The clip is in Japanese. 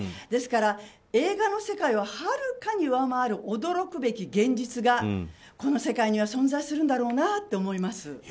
ですから、映画の世界をはるかに上回る驚くべき現実がこの世界には存在するんだろうなと思います。